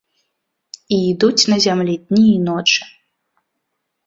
І ідуць на зямлі дні і ночы.